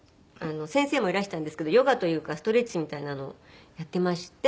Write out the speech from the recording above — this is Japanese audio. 先生もいらしていたんですけどヨガというかストレッチみたいなのをやっていまして。